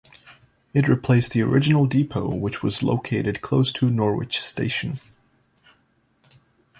It replaced the original depot which was located close to Norwich station.